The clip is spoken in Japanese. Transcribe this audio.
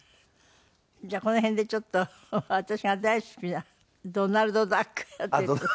じゃあこの辺でちょっと私が大好きなドナルドダックやって。